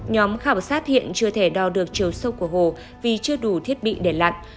nhóm khảo sát hiện chưa thể đo được chiều sâu của hồ vì chưa đủ thiết bị để lặn